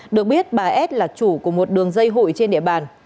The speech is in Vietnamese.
được biết bà s là chủ của một đường dây hụi trên địa bàn